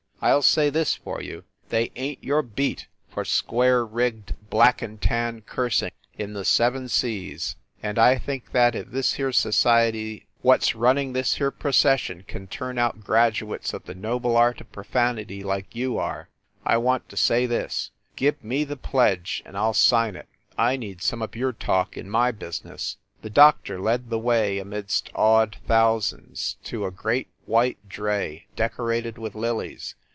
I ll say this for you ; they ain t your beat for square rigged, black and tan cursing in the seven THE SUBWAY EXPRESS 201 seas. And I think that if this here society what s running this here procession can turn out graduates of the noble art of profanity like you are, I want to say this : Give me the pledge, and I ll sign it. I need some of your talk in my business!" The doctor led the way, amidst awed thousands, to a great white dray, decorated with lilies.